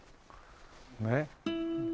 ねっ。